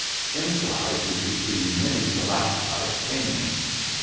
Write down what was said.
Inside we could see many sta lactites hanging.